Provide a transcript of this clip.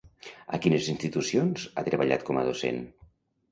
A quines institucions ha treballat com a docent?